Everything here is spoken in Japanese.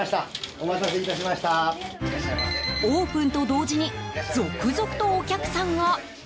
オープンと同時に続々とお客さんが。